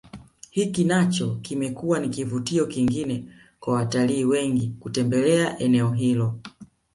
Hiki nacho kimekuwa ni kivutio kingine kwa watalii wengi kutembelea eneo hilo